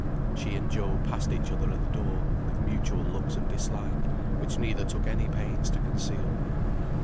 She and Job passed each other at the door, with mutual looks of dislike, which neither took any pains to conceal.